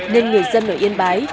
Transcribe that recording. nên người dân ở yên bái